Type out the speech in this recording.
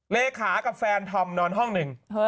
เลขากับแฟนธอมนอนห้องหนึ่ง